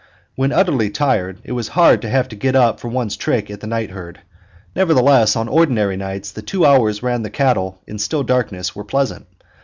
When utterly tired, it was hard to have to get up for one's trick at night herd. Nevertheless, on ordinary nights the two hours round the cattle in the still darkness were pleasant.